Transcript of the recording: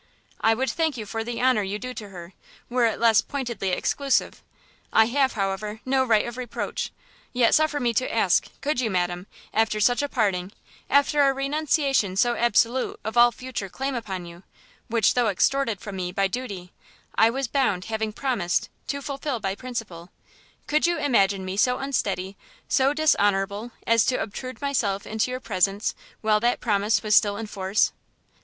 "I would thank you for the honour you do her, were it less pointedly exclusive. I have, however, no right of reproach! yet suffer me to ask, could you, madam, after such a parting, after a renunciation so absolute of all future claim upon you, which though extorted from me by duty, I was bound, having promised, to fulfil by principle, could you imagine me so unsteady, so dishonourable, as to obtrude myself into your presence while that promise was still in force?"